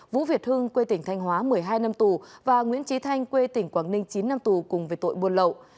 vũ việt hưng quê tỉnh thanh hóa một mươi hai năm tù và nguyễn trí thanh quê tỉnh quảng ninh chín năm tù cùng với tội buôn lậu